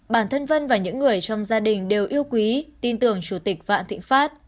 bản thân vân và những người trong gia đình đều yêu quý tin tưởng chủ tịch vạn thịnh pháp